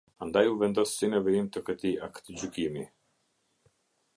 Andaj u vendos si në vijim të këtij a kgjykimi.